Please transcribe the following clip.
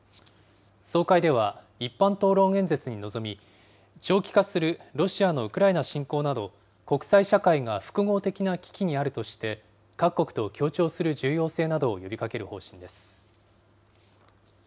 総会では一般討論演説に臨み、長期化するロシアのウクライナ侵攻など、国際社会が複合的な危機にあるとして、各国と協調する重要性などを呼びかける方針です。